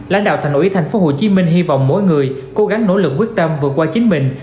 lãnh đạo thành ủy tp hcm hy vọng mỗi người cố gắng nỗ lực quyết tâm vượt qua chính mình